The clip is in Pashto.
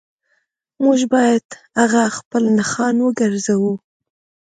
موږ باید هغه خپل نښان وګرځوو